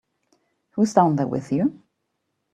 Who's down there with you?